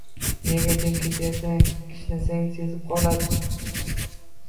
Nega jim ketyapsan kishnasang sezib qoladi